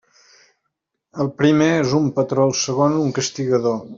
El primer és un patró, el segon un castigador.